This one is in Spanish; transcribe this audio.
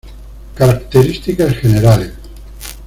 Características generales.